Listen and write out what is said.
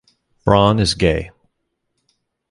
Braun is gay.